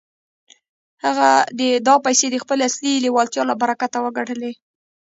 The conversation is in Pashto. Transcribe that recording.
هغه دا پيسې د خپلې اصلي لېوالتيا له برکته وګټلې.